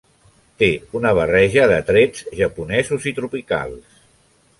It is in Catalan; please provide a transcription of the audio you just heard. Té una barreja de trets japonesos i tropicals.